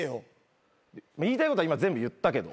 言いたいことは今全部言ったけど。